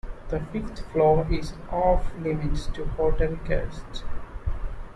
The fifth floor is off limits to hotel guests.